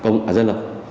là dân lập